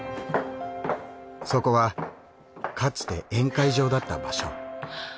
そこはかつて宴会場だった場所。